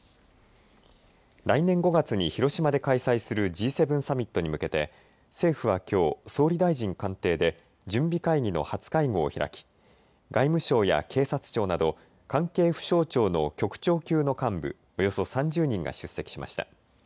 来年５月に広島で開催するＧ７サミットに向けて政府はきょう総理大臣官邸で準備会議の初会合を開き外務省や警察庁など関係府省庁の局長級の幹部およそ３０人が出席しました。